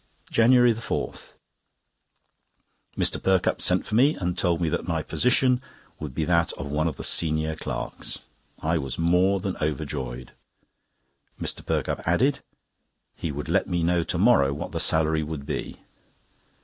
JANUARY 4.—Mr. Perkupp sent for me and told me that my position would be that of one of the senior clerks. I was more than overjoyed. Mr. Perkupp added, he would let me know to morrow what the salary would be.